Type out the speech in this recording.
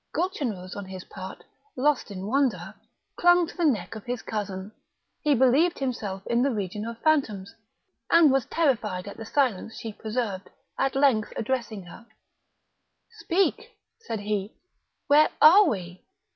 Gulchenrouz on his part, lost in wonder, clung to the neck of his cousin: he believed himself in the region of phantoms, and was terrified at the silence she preserved; at length addressing her: "Speak," said he, "where are we?